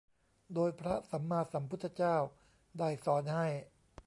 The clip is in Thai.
โดยพระสัมมาสัมพุทธเจ้าได้สอนให้